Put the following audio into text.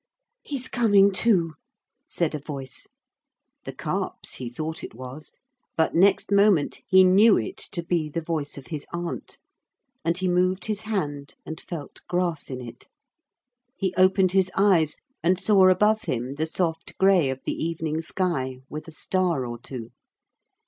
'He's coming to,' said a voice. The Carp's he thought it was. But next moment he knew it to be the voice of his aunt, and he moved his hand and felt grass in it. He opened his eyes and saw above him the soft gray of the evening sky with a star or two.